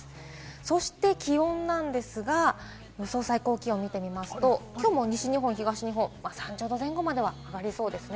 そして気温なんですが、予想最高気温を見てみますと、きょうも西日本、東日本、３０度前後までは上がりそうですね。